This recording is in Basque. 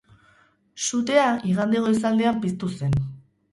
Sutea igande goizaldean piztu zen.